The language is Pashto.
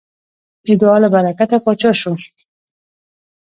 د دعا له برکته پاچا شو.